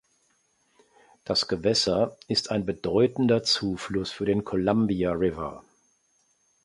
Das Gewässer ist ein bedeutender Zufluss für den Columbia River.